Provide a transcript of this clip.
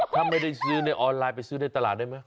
ถ้าไม่ได้ซื้อในออนไลน์ไปซื้อในตลาดได้ไหม